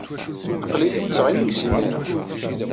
Aql-iyi ttetteɣ imensi imir-a.